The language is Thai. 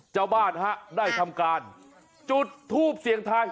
ชาวบ้านฮะได้ทำการจุดทูปเสียงทาย